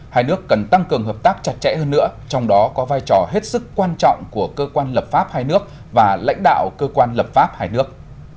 hai nước cần tăng cường hợp tác chặt chẽ hơn nữa trong đó có vai trò hết sức quan trọng của cơ quan lập pháp hai nước và lãnh đạo cơ quan lập pháp hai nước